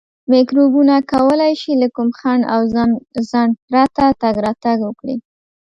میکروبونه کولای شي له کوم خنډ او ځنډ پرته تګ راتګ وکړي.